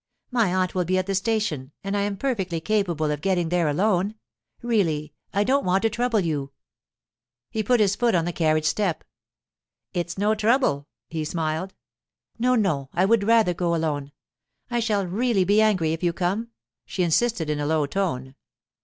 My aunt will be at the station, and I am perfectly capable of getting there alone. Really, I don't want to trouble you.' He put his foot on the carriage step. 'It's no trouble,' he smiled. 'No, no; I would rather go alone. I shall really be angry if you come,' she insisted in a low tone.